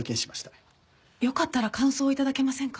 よかったら感想を頂けませんか？